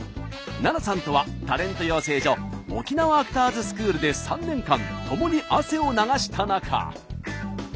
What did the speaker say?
ＮＡＮＡさんとはタレント養成所沖縄アクターズスクールで３年間ともに汗を流した仲。